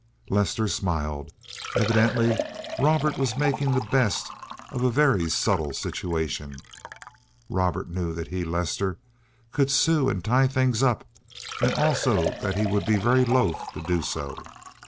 Lester smiled. Evidently Robert was making the best of a very subtle situation. Robert knew that he, Lester, could sue and tie things up, and also that he would be very loath to do so.